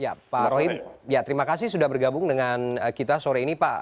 ya pak rohim ya terima kasih sudah bergabung dengan kita sore ini pak